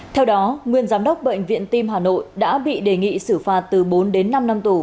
theo đó nguyên giám đốc bệnh viện tim hà nội đã bị đề nghị xử phạt từ bốn đến năm năm tù